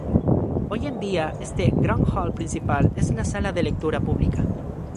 Hoy en día, este gran hall principal es la sala de lectura pública.